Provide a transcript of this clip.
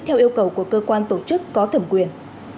theo yêu cầu của cơ quan tổ chức có thẩm quyền